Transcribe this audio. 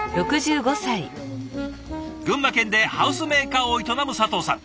群馬県でハウスメーカーを営む佐藤さん。